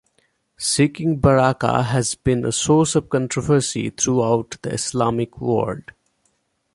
Seeking baraka has been a source of controversy throughout the Islamic world.